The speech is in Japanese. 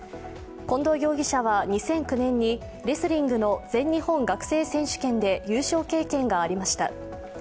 近藤容疑者は２００９年にレスリングの全日本学生選手権で優勝経験がありました。